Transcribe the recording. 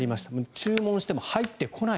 注文しても入ってこない。